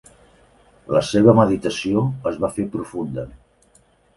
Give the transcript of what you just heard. La seva meditació es va fer profunda.